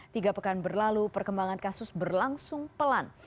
tiga pekan berlalu perkembangan kasus berlangsung pelan